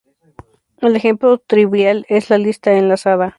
El ejemplo trivial es la lista enlazada.